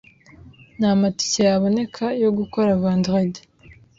Nta matike yaboneka yo gukora vendredi.